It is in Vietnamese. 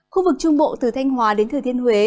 khu vực trung bộ từ thanh hòa đến thừa thiên huế